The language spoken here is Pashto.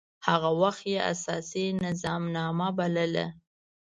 هغه وخت يي اساسي نظامنامه بلله.